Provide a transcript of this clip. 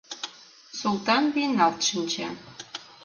Султан вийналт шинче.